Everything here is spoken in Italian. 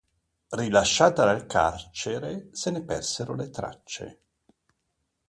Rilasciata dal carcere, se ne persero le tracce.